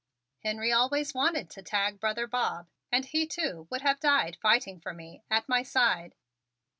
"Henry always wanted to tag 'Brother Bob,' and he too would have died fighting for me at my side.